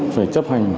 phải chấp hành